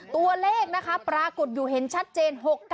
ตัวเลขนะคะปรากฏอยู่เห็นชัดเจน๖๙